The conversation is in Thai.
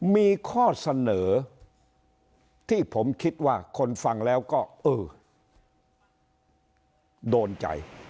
มีข้อเสนอที่ผมคิดว่าคนฟังแล้วก็เออโดนใจ